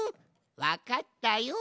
わかったよ。